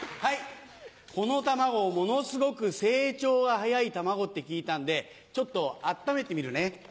この卵ものすごく成長が早い卵って聞いたんでちょっと温めてみるね。